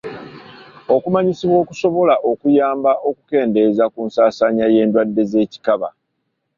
Okumanyisibwa kusobola okuyamba okukendeeza ku nsaansaanya y'endwadde z'ekikaba.